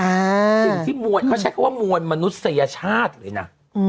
สิ่งที่มวลเขาใช้คำว่ามวลมนุษยชาติเลยนะ